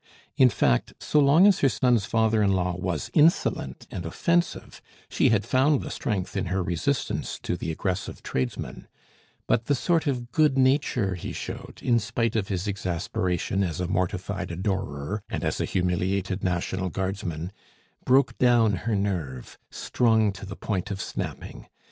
In fact, so long as her son's father in law was insolent and offensive, she had found the strength in her resistance to the aggressive tradesman; but the sort of good nature he showed, in spite of his exasperation as a mortified adorer and as a humiliated National Guardsman, broke down her nerve, strung to the point of snapping.